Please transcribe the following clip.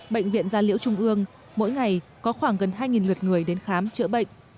bệnh viện gia liễu trung ương mỗi ngày có khoảng gần hai lượt người đến khám chữa bệnh